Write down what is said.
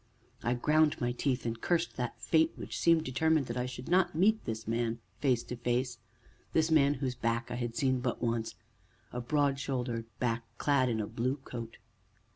I ground my teeth, and cursed that fate which seemed determined that I should not meet this man face to face this man whose back I had seen but once a broad shouldered back clad in a blue coat.